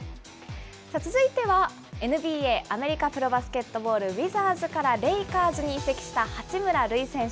続いてはＮＢＡ・アメリカプロバスケットボール、ウィザーズからレイカーズに移籍した八村塁選手。